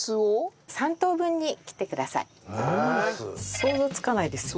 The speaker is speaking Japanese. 想像つかないですよね。